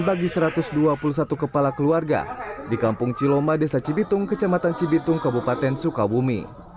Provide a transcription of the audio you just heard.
bagi satu ratus dua puluh satu kepala keluarga di kampung ciloma desa cibitung kecamatan cibitung kabupaten sukabumi